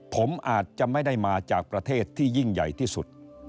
ผมอาจจะไม่ได้มาจากประเทศที่ยิ่งใหญ่ที่สุด